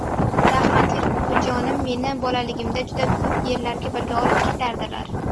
Raxmatli buvijonim meni bolaligimda juda koʻp yerlarga birga olib ketardilar.